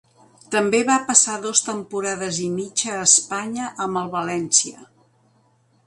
També va passar dos temporades i mitja a Espanya amb el València.